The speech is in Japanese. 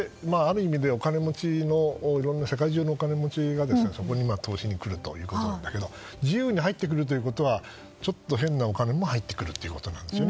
だから、いろんな世界中のお金持ちがそこに投資に来るんだけど自由に入ってくるということはちょっと変なお金も入ってくるということです。